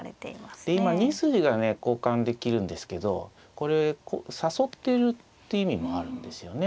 今２筋がね交換できるんですけどこれ誘ってるって意味もあるんですよね。